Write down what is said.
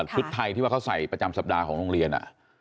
ชุดไทยที่ว่าเขาใส่ประจำสัปดาห์ของโรงเรียน